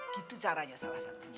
gitu caranya salah satunya